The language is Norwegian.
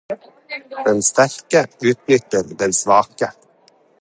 Den sterke utnytter den svake